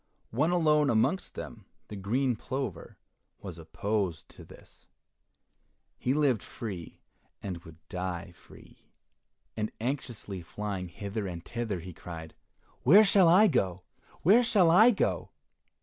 One alone amongst them, the green plover, was opposed to this. He had lived free, and would die free, and anxiously flying hither and thither, he cried, "Where shall I go? where shall I go?"